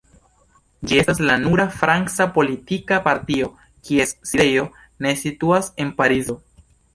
Ĝi estas la nura franca politika partio, kies sidejo ne situas en Parizo.